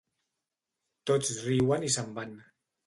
Tots riuen i se'n van.